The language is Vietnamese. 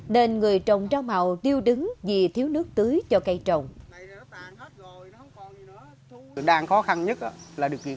nên người trồng rau màu tiêu đứng vì thiếu nước tưới cho cây trồng đang khó khăn nhất là được chuyển